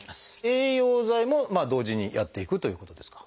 栄養剤も同時にやっていくということですか？